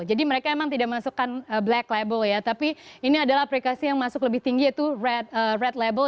jadi mereka emang tidak masukkan black label ya tapi ini adalah aplikasi yang masuk lebih tinggi itu red label